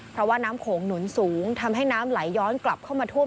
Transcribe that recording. เพราะว่าน้ำโขงหนุนสูงทำให้น้ำไหลย้อนกลับเข้ามาท่วม